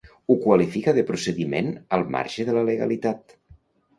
Ho qualifica de “procediment al marge de la legalitat”.